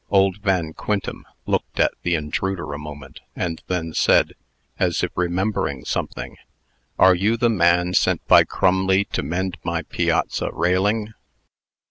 Old Van Quintem looked at the intruder a moment, and then said, as if remembering something, "Are you the man sent by Crumley to mend my piazza railing?"